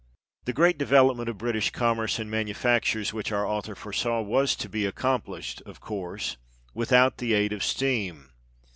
The great development of British commerce and manufactures which our author foresaw was to be accomplished of course without the aid of steam.